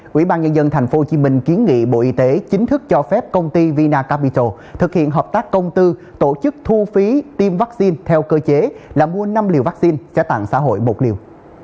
quỹ ban nhân dân tp hcm kiến nghị bộ y tế chính thức cho phép công ty vina capital thực hiện hợp tác công tư tổ chức thu phí tiêm vaccine theo cơ chế là mua năm liều vaccine trả tặng xã hội một liều